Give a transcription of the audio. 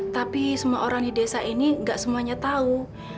tapi semua orang di desa ini gak semuanya tahu